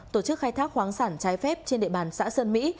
tổ chức khai thác khoáng sản trái phép trên địa bàn xã sơn mỹ